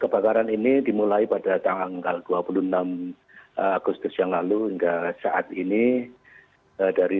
kebakaran ini dimulai pada tanggal dua puluh enam agustus yang lalu hingga saat ini dari